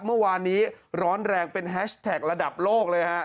เมื่อวานนี้ร้อนแรงเป็นแฮชแท็กระดับโลกเลยฮะ